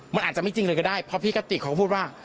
มันอาจจะไม่จริงเลยก็ได้เพราะพี่กติกเขาก็พูดว่า